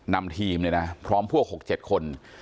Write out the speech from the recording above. นำทีมเนี่ยนะพร้อมพวก๖๗คน